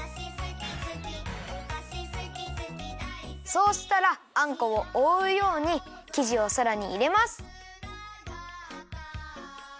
そうしたらあんこをおおうようにきじをさらにいれます。